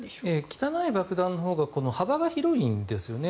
汚い爆弾のほうが幅が広いんですよね。